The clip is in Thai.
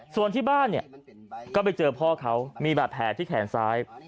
ส่วนที่บ้านเนี่ยก็ไปเจอพ่อเขามีบาดแผลที่แขนซ้าย